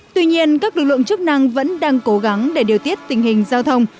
tuy nhiên các lực lượng chức năng vẫn đang cố gắng để điều tiết tình hình giao thông